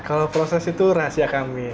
kalau proses itu rahasia kami